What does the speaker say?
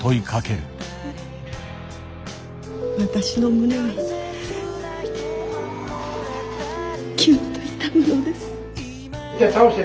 私の胸はキュンと痛むのです。